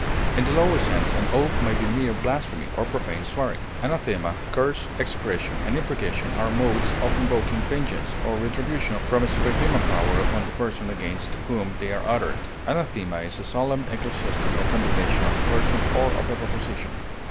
In the lower sense, an oath may be mere blasphemy or profane swearing. Anathema, curse, execration, and imprecation are modes of invoking vengeance or retribution from a superhuman power upon the person against whom they are uttered. Anathema is a solemn ecclesiastical condemnation of a person or of a proposition.